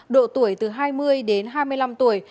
độ tuổi từ hai mươi đến hai mươi năm tuổi